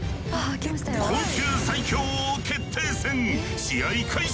昆虫最強王決定戦試合開始！